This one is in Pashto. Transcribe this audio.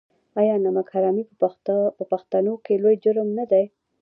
آیا نمک حرامي په پښتنو کې لوی جرم نه دی؟